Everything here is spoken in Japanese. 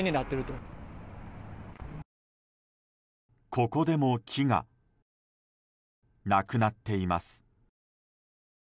ここでも木がなくなっています。